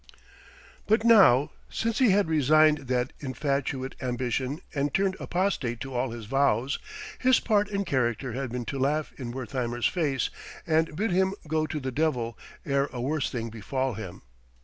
But now, since he had resigned that infatuate ambition and turned apostate to all his vows, his part in character had been to laugh in Wertheimer's face and bid him go to the devil ere a worse thing befall him.